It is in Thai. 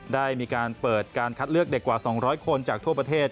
ได้มีการเปิดการคัดเลือกเด็กกว่า๒๐๐คนจากทั่วประเทศ